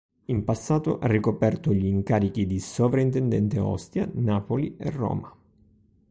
In passato ha ricoperto gli incarichi di Sovrintendente a Ostia, Napoli e Roma.